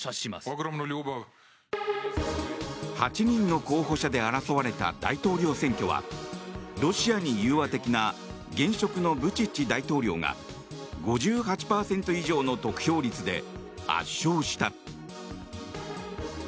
８人の候補者で争われた大統領選挙はロシアに融和的な現職のブチッチ大統領が５８％以上の得票率で圧勝した。